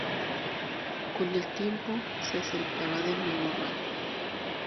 Con el tiempo, se acercará de nuevo a Rat.